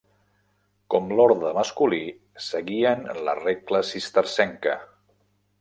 Com l'orde masculí, seguien la regla cistercenca.